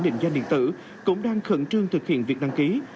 định danh điện tử cũng đang khẩn trương thực hiện việc đăng ký